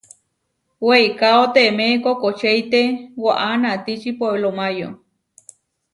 Weikáo temé kokočeite waʼá natiči Puéblo Máyo.